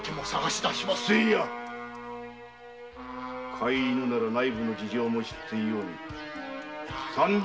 飼い犬なら内部の事情も知っていように。